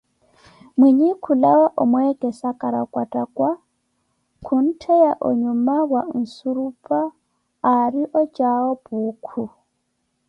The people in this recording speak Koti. Minyi khulawa omweekesa kwarakwattakwa, khunttheya onyuma wa esurupa aari ocaawo Puukhu.